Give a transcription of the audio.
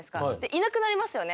いなくなりますよね。